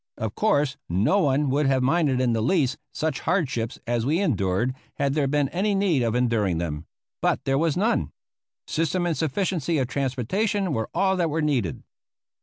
Of course no one would have minded in the least such hardships as we endured had there been any need of enduring them; but there was none. System and sufficiency of transportation were all that were needed.